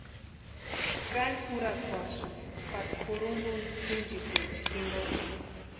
Kʼani úrakwarhisïnti pari kʼurhunta úni kwʼinchekwa jimpo.